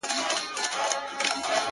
اوس یې تر پاڼو بلبلکي په ټولۍ نه راځي-